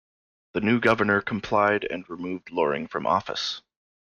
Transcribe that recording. The new governor complied and removed Loring from office.